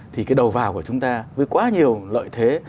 thì cái đầu vào của chúng ta với quá nhiều lợi thế